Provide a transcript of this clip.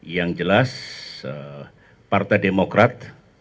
yang jelas partai demokrat